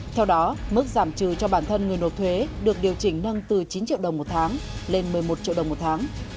theo đó mức giảm trừ cho bản thân người nộp thuế được điều chỉnh nâng từ chín triệu đồng một tháng lên một mươi một triệu đồng một tháng